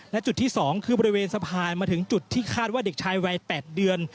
และจุดที่๒คือบริเวณสะพานมาถึงจุดที่คาดว่าเด็กชายวัย๘เดือน